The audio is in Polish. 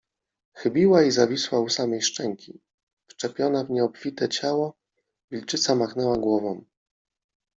Chybiła i zawisła u samej szczęki, wczepiona w nieobfite ciało. Wilczyca machnęła głową